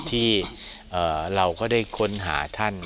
ที่เราก็ได้ค้นหาท่าน